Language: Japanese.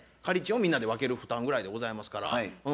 借り賃をみんなで分ける負担ぐらいでございますから。